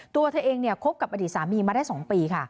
ตัวเธอเองคบกับอดีตสามีมาได้๒ปีค่ะ